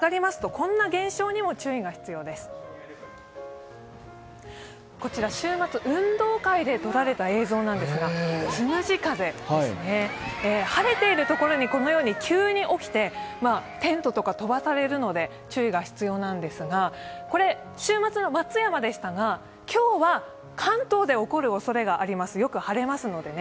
こちら週末、運動会で撮られた映像なんですがつむじ風ですね、晴れているところにこのように急に起きて、テントとか飛ばされるので注意が必要なんですが、これは週末の松山でしたが、今日は関東で起こるおそれがあります、よく晴れますのでね。